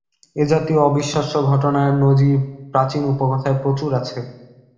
এ-জাতীয় অবিশ্বাস্য ঘটনার নজির প্রাচীন উপকথায় প্রচুর আছে।